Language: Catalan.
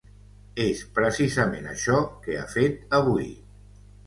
És precisament això que ha fet avui.